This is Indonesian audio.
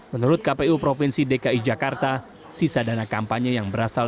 menurut kpu provinsi dki jakarta sisa dana kampanye yang berasal